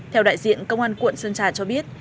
theo đại diện công an quận sơn trà cho biết